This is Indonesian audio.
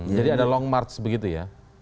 jadi ada long march begitu ya